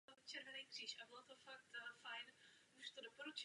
Výška pojištění bude narůstat.